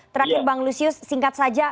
terakhir bang lusius singkat saja